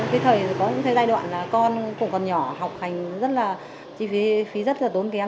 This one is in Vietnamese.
cái thời có những giai đoạn là con cũng còn nhỏ học hành rất là chi phí rất là tốn kém